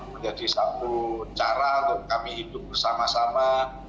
menjadi satu cara untuk kami hidup bersama sama